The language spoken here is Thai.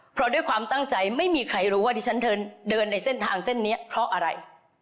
เพราะด้วยความตั้งใจไม่มีใครรู้ว่าที่ฉันเดินในเส้นทางเส้นนี้เพราะอะไร